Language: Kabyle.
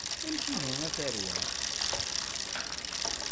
Amek ihi a tarwa?